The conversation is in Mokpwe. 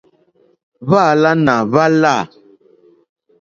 Hwáǎlánà hwá lâ.